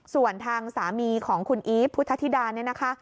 ส่วนทางสามีของคุณอีฟพุทธธิดาเนี่ยนะคะ